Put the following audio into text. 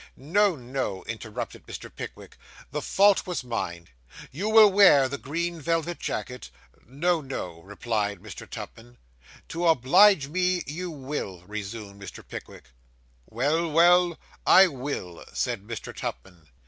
'No, no,' interrupted Mr. Pickwick, 'the fault was mine. You will wear the green velvet jacket?' 'No, no,' replied Mr. Tupman. 'To oblige me, you will,' resumed Mr. Pickwick. 'Well, well, I will,' said Mr. Tupman.